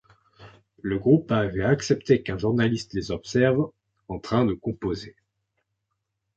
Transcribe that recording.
Le groupe avait accepté qu'un journaliste les observe en train de composer.